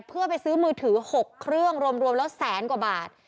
เพื่อไปซื้อมือถือ๖เครื่องรวมแล้วแสนกว่าบาท